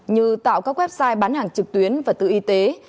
như tạo các website bán hàng trực tuyến và tự y tế